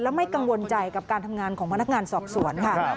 ไม่กังวลใจกับการทำงานของพนักงานสอบสวนค่ะ